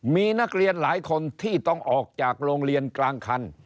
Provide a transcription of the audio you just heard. มีนักเรียนหลายคนที่ต้องออกจากโรงเรียนกลางคัน